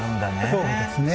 そうですね。